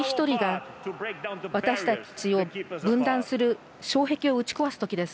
今度は、私たち一人一人が私たちを分断する障壁を打ち壊すときです。